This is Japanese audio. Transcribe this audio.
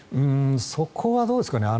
そこはどうですかね？